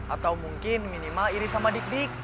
atau mungkin minimal iris sama dik dik